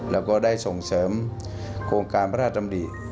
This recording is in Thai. แล้วก็ได้ส่งเสริมโครงการพระราชดำริ